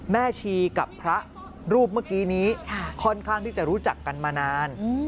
แม่ชีกับพระรูปเมื่อกี้นี้ค่อนข้างที่จะรู้จักกันมานาน